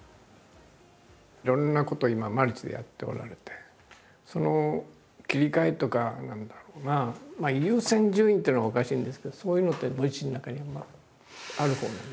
いろんなことを今マルチでやっておられてその切り替えとか何だろうなまあ優先順位っていうのはおかしいんですけどそういうのってご自身の中に今あるほうなんですかね？